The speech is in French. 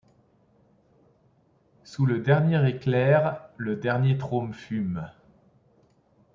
Sous le dernier éclair le dernier trône fume